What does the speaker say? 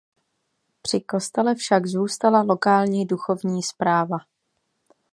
Při kostele však zůstala lokální duchovní správa.